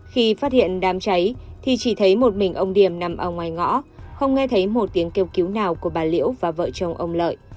khi phát hiện đám cháy thì chỉ thấy một mình ông điểm nằm ở ngoài ngõ không nghe thấy một tiếng kêu cứu nào của bà liễu và vợ chồng ông lợi